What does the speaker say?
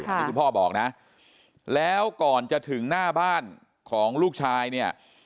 ที่คุณพ่อบอกนะแล้วก่อนจะถึงหน้าบ้านของลูกชายเนี่ย